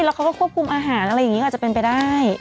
แล้วเขาก็ควบคุมอาหารอะไรอย่างนี้อาจจะเป็นไปได้